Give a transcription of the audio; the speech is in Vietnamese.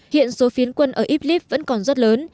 hiện số phiến quân ở iblis vẫn còn rất lớn